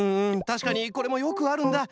たしかにこれもよくあるんだ。